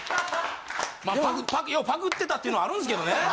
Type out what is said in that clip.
まあようパクってたっていうのあるんすけどね。